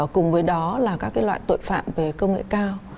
cùng với đó là các loại tội phạm về công nghệ cao